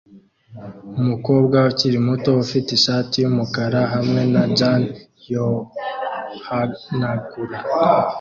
Umukobwa ukiri muto ufite ishati yumukara hamwe na jans yohanagura